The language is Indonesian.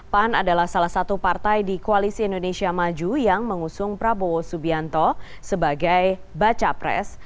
pan adalah salah satu partai di koalisi indonesia maju yang mengusung prabowo subianto sebagai baca pres